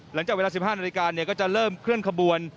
หลังจากเวลา๑๕นาฬิกาก็จะเริ่มเคลื่อนขบวน